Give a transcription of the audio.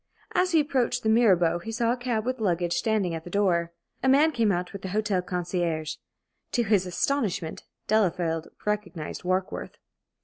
As he approached the "Mirabeau," he saw a cab with luggage standing at the door. A man came out with the hotel concierge. To his astonishment, Delafield recognized Warkworth.